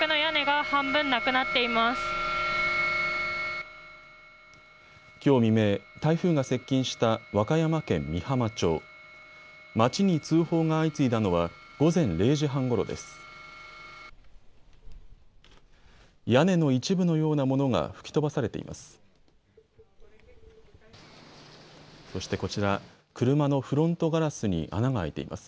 屋根の一部のようなものが吹き飛ばされています。